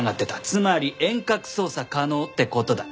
つまり遠隔操作可能って事だ。